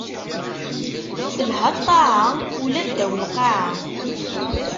Telha ṭṭaɛa, ula ddaw lqaɛa.